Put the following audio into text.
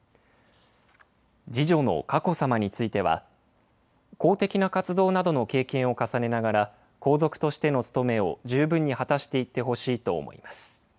次女の佳子さまについては、公的な活動などの経験を重ねながら、皇族としての務めを十分に果たしていってほしいと思います。